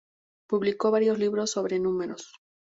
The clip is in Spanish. Publicó varios libros sobre números.